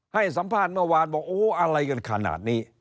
ให้สัมภาษณ์เมื่อวานบอกโอ้อะไรกันขนาดนี้